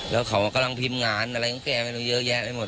แล้วเขากำลังพิมพ์งานอะไรของแกไม่รู้เยอะแยะไปหมด